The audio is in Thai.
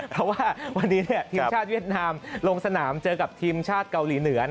เพราะว่าวันนี้ทีมชาติเวียดนามลงสนามเจอกับทีมชาติเกาหลีเหนือ